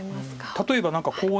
例えば何かこう。